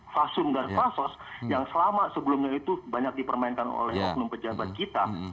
fasum dan fasos yang selama sebelumnya itu banyak dipermainkan oleh oknum pejabat kita